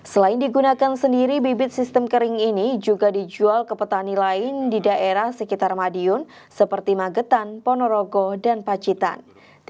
selain digunakan sendiri bibit sistem kering ini juga dijual ke petani lain di daerah sekitar madiun seperti magetan ponorogo dan pacitan